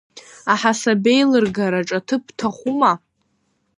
Аҳасабеилыргараҿ аҭыԥ бҭахума?